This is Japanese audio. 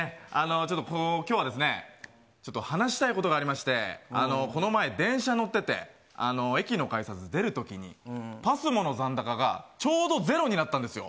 ちょっと、きょうは、ちょっと話したいことがありまして、この前、電車に乗ってて、駅の改札出るときに、ＰＡＳＭＯの残高がちょうど０になったんですよ。